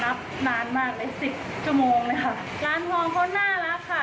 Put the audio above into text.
นานมากเลยสิบชั่วโมงเลยค่ะร้านทองเขาน่ารักค่ะ